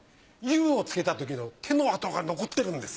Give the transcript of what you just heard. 釉をつけたときの毛の跡が残ってるんです。